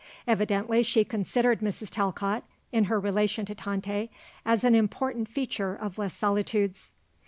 Evidently she considered Mrs. Talcott, in her relation to Tante, as an important feature of Les Solitudes.